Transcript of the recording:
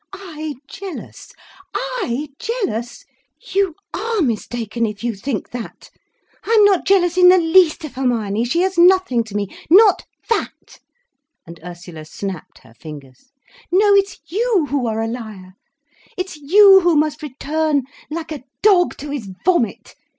"I jealous! I—jealous! You are mistaken if you think that. I'm not jealous in the least of Hermione, she is nothing to me, not that!" And Ursula snapped her fingers. "No, it's you who are a liar. It's you who must return, like a dog to his vomit.